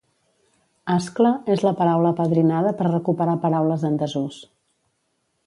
Ascla és la paraula apadrinada per recuperar paraules en desús